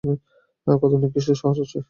কত নিকৃষ্ট সহচর সে!